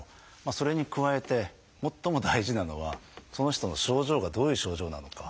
それに加えて最も大事なのはその人の症状がどういう症状なのか。